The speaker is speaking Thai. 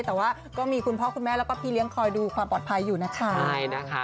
แต่ว่าก็มีคุณพ่อคุณแม่แล้วก็พี่เลี้ยงคอยดูความปลอดภัยอยู่นะคะ